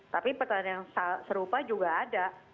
tapi pertanyaan yang serupa juga ada